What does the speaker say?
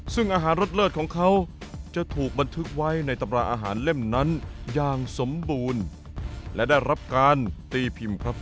ซึ่งอาหารรสเลิศของเขาจะถูกบันทึกไว้ในตำราอาหารเล่มนั้นอย่างสมบูรณ์และได้รับการตีพิมพ์ครับ